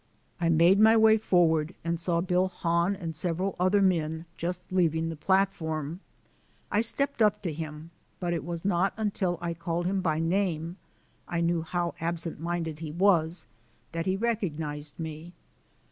I made my way forward and saw Bill Hahn and several other men just leaving the platform. I stepped up to him, but it was not until I called him by name (I knew how absent minded he was!) that he recognized me.